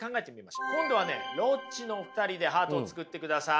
今度はねロッチのお二人でハートを作ってください。